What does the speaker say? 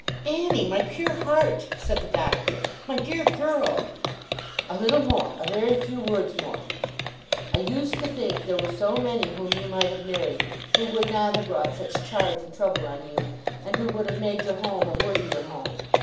'Annie, my pure heart!' said the Doctor, 'my dear girl!' 'A little more! a very few words more! I used to think there were so many whom you might have married, who would not have brought such charge and trouble on you, and who would have made your home a worthier home.